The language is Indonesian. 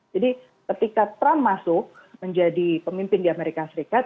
jadi ketika trump masuk menjadi pemimpin di amerika serikat